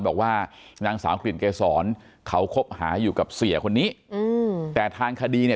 บอกว่านางสาวกลิ่นเกษรเขาคบหาอยู่กับเสียคนนี้อืมแต่ทางคดีเนี่ย